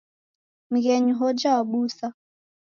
Mghenyu hoja wabusa.